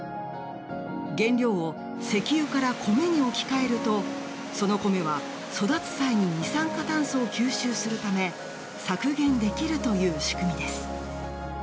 原料を石油から米に置き換えるとその米は育つ際に二酸化炭素を吸収するため削減できるという仕組みです。